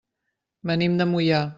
Venim de Moià.